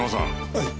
はい。